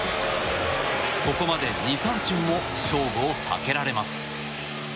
ここまで２三振も勝負を避けられます。